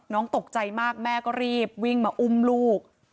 ตกใจมากแม่ก็รีบวิ่งมาอุ้มลูก